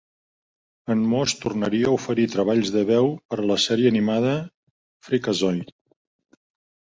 En Moss tornaria a oferir treballs de veu per a la sèrie animada Freakazoid!